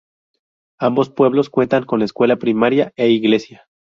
Ambos pueblos cuentan con escuela primaria e iglesia.